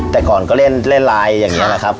แต่ก่อนก็เล่นไลน์อย่างนี้แหละครับ